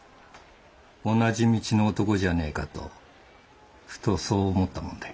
同じ道の男じゃねえかとふとそう思ったもんで。